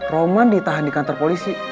roman ditahan di kantor polisi